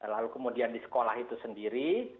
lalu kemudian di sekolah itu sendiri